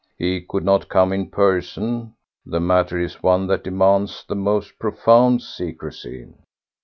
He could not come in person. The matter is one that demands the most profound secrecy."